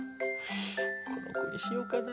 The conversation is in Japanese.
この子にしようかな？